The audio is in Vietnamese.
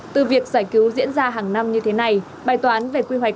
từ việc giải cứu diễn ra hàng năm như thế này bài toán về quy hoạch